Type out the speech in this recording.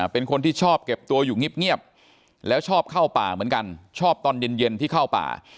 เป็นคนที่ชอบเก็บตัวอยู่เงียบแล้วชอบเข้าป่าเหมือนกันชอบตอนเย็นที่เข้าป่า